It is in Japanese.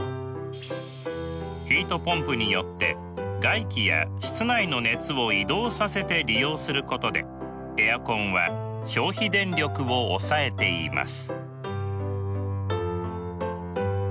ヒートポンプによって外気や室内の熱を移動させて利用することでエアコンは消費電力を抑えています。